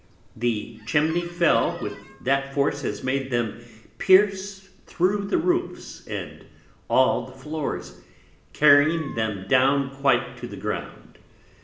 The Chimney fell with that Force as made them pierce thro' the Roofs and all the Floors, carrying them down quite to the Ground.